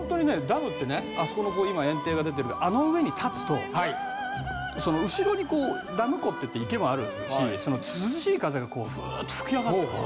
ダムってねあそこの堰堤が出てるけどあの上に立つと後ろにダム湖って言って池もあるし涼しい風がフーッと吹き上がってくる。